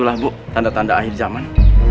lah bu tanda tanda akhir zaman